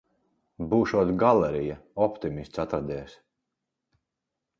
Būšot galerija. Optimists atradies.